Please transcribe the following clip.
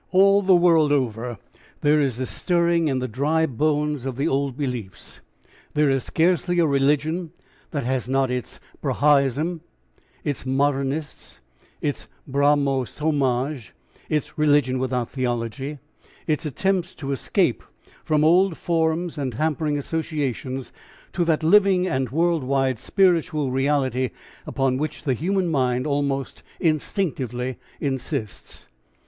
... All the world over there is this stirring in the dry bones of the old beliefs. There is scarcely a religion that has not its Bahaism, its Modernists, its Brahmo Somaj, its "religion without theology," its attempts to escape from old forms and hampering associations to that living and world wide spiritual reality upon which the human mind almost instinctively insists.